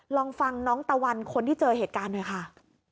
ลองฟังน้องตะวันคนที่เจอเหตุการณ์หน่อยค่ะ